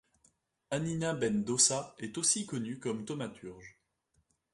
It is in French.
Hanina ben Dossa est aussi connu comme thaumaturge.